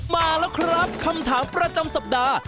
มาแล้วครับคำถามประจำสัปดาห์